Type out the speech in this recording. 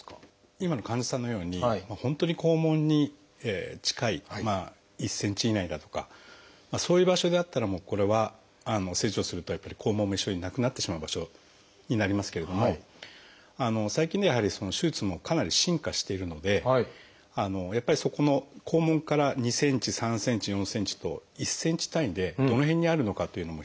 今の患者さんのように本当に肛門に近い１ｃｍ以内だとかそういう場所であったらこれは成長するとやっぱり肛門も一緒になくなってしまう場所になりますけれども最近ではやはり手術もかなり進化しているのでやっぱりそこの肛門から２ｃｍ３ｃｍ４ｃｍと１ｃｍ単位でどの辺にあるのかというのも非常に重要なんですね。